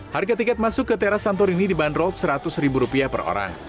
harga tiket masuk ke teras santorini dibanderol seratus ribu rupiah per orang